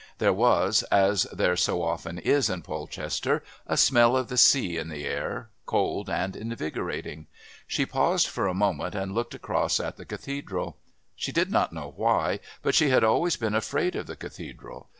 There was, as there so often is in Polchester, a smell of the sea in the air, cold and invigorating. She paused for a moment and looked across at the Cathedral. She did not know why, but she had been always afraid of the Cathedral.